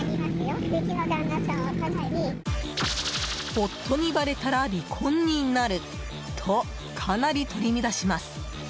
夫にバレたら離婚になるとかなり取り乱します。